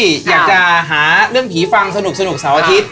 อยากจะหาเรื่องผีฟังสนุกเสาร์อาทิตย